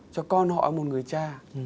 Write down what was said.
cho con họ một người cha